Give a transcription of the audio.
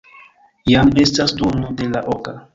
Jam estas duono de la oka.